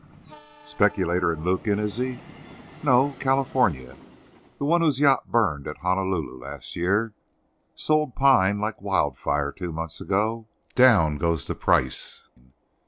"Speculator in Lukin, is he?" "No. California. The one whose yacht burned at Honolulu last year. Sold pine like wild fire two months ago; down goes the price.